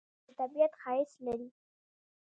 مځکه د طبیعت ښایست لري.